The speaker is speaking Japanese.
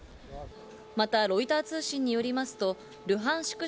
またロイター通信によりますとルハンシク